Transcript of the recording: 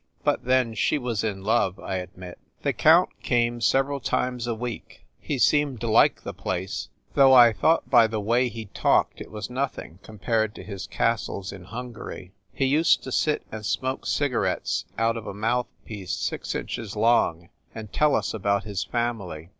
But then, she was in love, I admit. The count came several times a week. He seemed to like the place, though I thought by the way he talked it was nothing compared to his castles in Hungary. He used to sit and smoke cigarettes out of a mouth piece six inches long and tell us about his family.